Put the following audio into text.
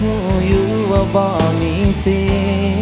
หู้อยู่ว่าบ่มีสิทธิ์